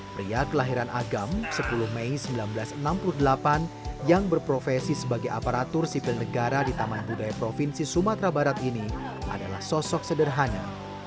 pria kelahiran agam sepuluh mei seribu sembilan ratus enam puluh delapan yang berprofesi sebagai aparatur sipil negara di taman budaya provinsi sumatera barat ini adalah sosok sederhana